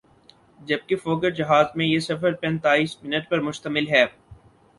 جبکہ فوکر جہاز میں یہ سفر پینتایس منٹ پر مشتمل ہے ۔